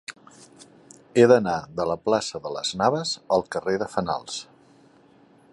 He d'anar de la plaça de Las Navas al carrer de Fenals.